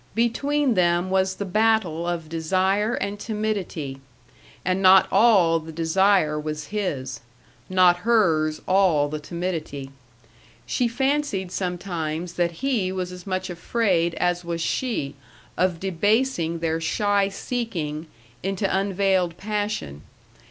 Between them was the battle of desire and timidity and not all the desire was his, not hers all the timidity. She fancied sometimes that he was as much afraid as was she of debasing their shy seeking into unveiled passion.